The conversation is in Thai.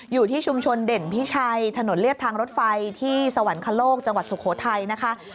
อยู่ที่ชุมชนเด่นพิชัยถนนเรียบทางรถไฟที่สวรรคโลกจังหวัดสุโขทัยนะคะ